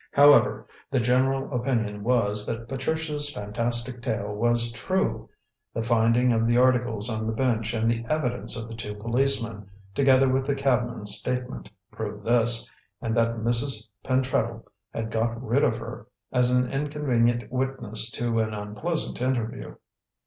However, the general opinion was that Patricia's fantastic tale was true the finding of the articles on the bench and the evidence of the two policemen, together with the cabman's statement, proved this and that Mrs. Pentreddle had got rid of her, as an inconvenient witness to an unpleasant interview.